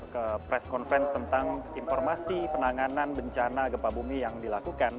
ke press conference tentang informasi penanganan bencana gempa bumi yang dilakukan